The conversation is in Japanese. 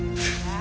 あ！